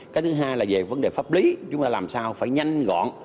cái thứ hai là về vấn đề pháp lý chúng ta làm sao phải nhanh gọn